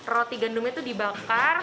roti gandum itu dibakar